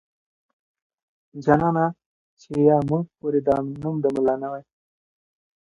جانانه چې يا موږ پورې دا نوم د ملا نه واي.